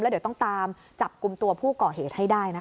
เดี๋ยวต้องตามจับกลุ่มตัวผู้ก่อเหตุให้ได้นะคะ